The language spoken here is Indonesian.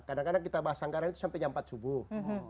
kadang kadang kita bahas sanggaran itu sampai jam empat subuh